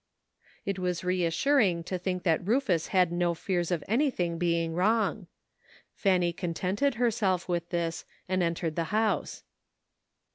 It was reassuring to think that Rufus had no fears of anything being wrong. Fanny con tented herself with this, and entered the house.